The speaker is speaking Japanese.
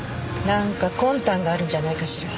なんか魂胆があるんじゃないかしら？